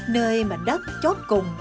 nơi mạnh đất chót cùng